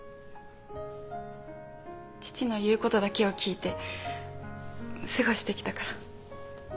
父の言うことだけを聞いて過ごしてきたから。